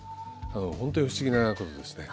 ほんとに不思議なことですね。